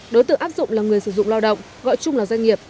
đối tượng áp dụng là người sử dụng lao động gọi chung là doanh nghiệp